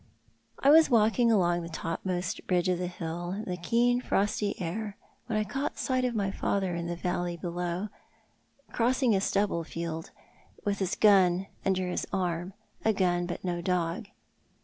I was walking along the topmost ridge of the hill in the keen frosty air when I caught sight of my father in the valley below, crossing a stubble field with his gun under his arm — a gun, but no dog.